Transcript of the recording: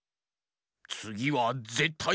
つぎはぜったい。